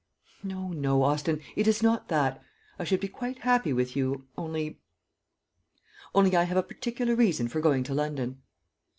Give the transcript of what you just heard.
"No, no, Austin, it is not that. I should be quite happy with you, only only I have a particular reason for going to London."